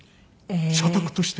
社宅として。